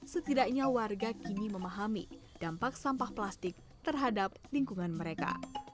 setidaknya warga kini memahami dampak sampah plastik terhadap lingkungan mereka